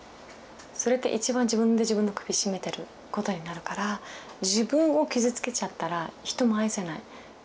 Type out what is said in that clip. それって一番自分で自分の首絞めてることになるから自分を傷つけちゃったら人も愛せない。